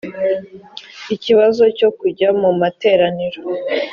ikibazo cya kujya mu materaniro